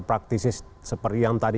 practices seperti yang tadi